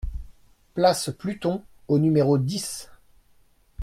Place Pluton au numéro dix